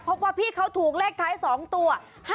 พบว่าพี่เขาถูกเลขท้าย๒ตัว